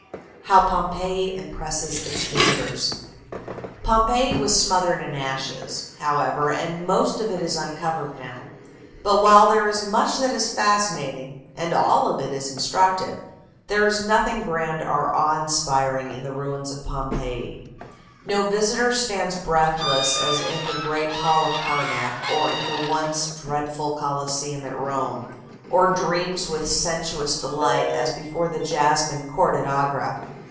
HOW POMPEII IMPRESSES ITS VISITORS "Pompeii was smothered in ashes, however, and most of it is uncovered now. But while there is much that is fascinating, and all of it is instructive, there is nothing grand or awe inspiring in the ruins of Pompeii. No visitor stands breathless as in the great hall of Karnak or in the once dreadful Coliseum at Rome, or dreams with sensuous delight as before the Jasmine Court at Agra.